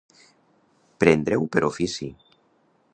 Prendre-ho per ofici.